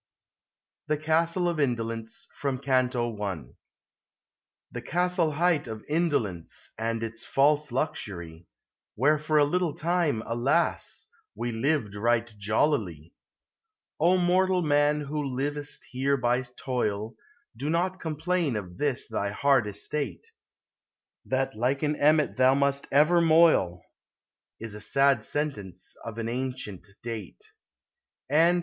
THE CASTLE OF INDOLENCE. FROM CANTO I. The castle hight of Indolence, And its false luxury ; Where for a little time, alas ! We lived right jollily. O mortal man, who livest here by toil, Do not complain of this thy hard estate ; That like an emmet thou must ever moil, Is a sad sentence of an ancient date; 11C POEMS OF FANCY.